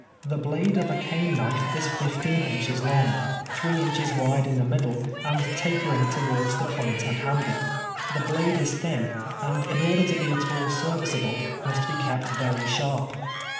The blade of a cane knife is fif teen inches long, three inches wide in the middle, and tapering towards the point and handle. The blade is thin, and in order to be at all serviceable must be kept very sharp.